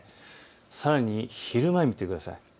さらに昼前、見てください。